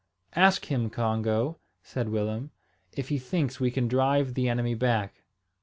"Ask him, Congo," said Willem, "if he thinks we can drive the enemy back."